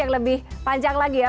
yang lebih panjang lagi ya